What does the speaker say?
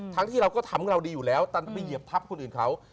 ที่เราก็ทำของเราดีอยู่แล้วตันไปเหยียบทับคนอื่นเขา